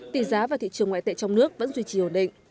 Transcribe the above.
tỷ giá và thị trường ngoại tệ trong nước vẫn duy trì ổn định